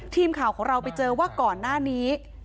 ทีมข่าวของเราไปเจอว่าก่อนหน้านี้